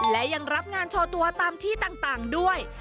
และยังรับงานโชว์ตัวตามที่ต่างด้วย